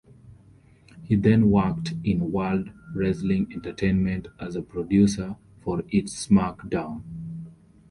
He then worked in World Wrestling Entertainment as a producer for its SmackDown!